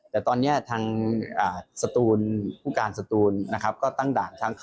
แต่ตอนนี้ทางสตูนผู้การสตูนนะครับก็ตั้งด่าน